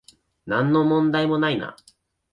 なんの問題もないな